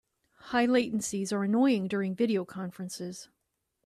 High latencies are annoying during video conferences.